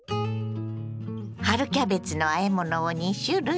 春キャベツのあえ物を２種類。